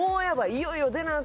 いよいよ出なア